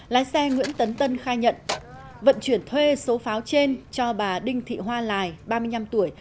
lái xe nguyễn tấn tân khai nhận vận chuyển thuê số pháo trên cho bà đinh thị hoa lài ba mươi năm tuổi